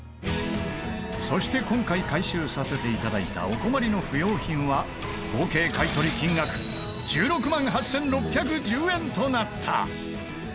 そして今回回収させて頂いたお困りの不要品は合計買い取り金額１６万８６１０円となった。